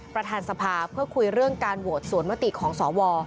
ประธานสภาเพื่อคุยเรื่องการโหวตสวนมติของสว